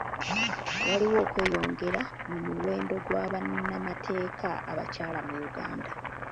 Waliwo okweyongera mu muwendo gwa bannamateeka abakyala mu Uganda.